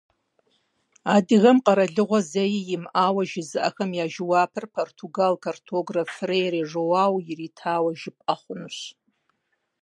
Адыгэм къэралыгъуэ зэи имыӏауэ жызыӏэхэм я жэуапыр португал картограф Фрейре Жоау иритауэ жыпӏэ хъунущ.